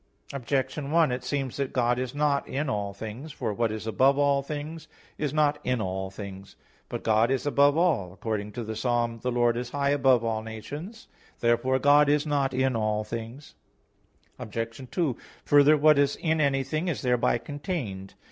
Objection 1: It seems that God is not in all things. For what is above all things is not in all things. But God is above all, according to the Psalm (Ps. 112:4), "The Lord is high above all nations," etc. Therefore God is not in all things. Obj. 2: Further, what is in anything is thereby contained.